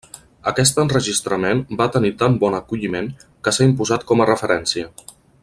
Aquest enregistrament va tenir tan bon acolliment, que s'ha imposat com a referència.